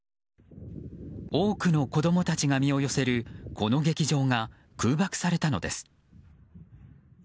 多くの子供たちが身を寄せるこの劇場が空爆されたのです。